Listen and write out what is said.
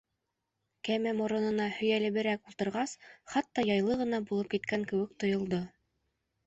Кәмә моронона һөйәлеберәк ултырғас, хатта яйлы ғына булып киткән кеүек тойолдо.